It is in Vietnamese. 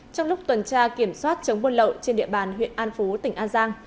trong lúc tuần tra kiểm soát chống buôn lậu trên địa bàn huyện an phú tỉnh an giang